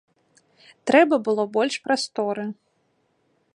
Трэба было больш прасторы.